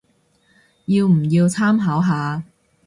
要唔要參考下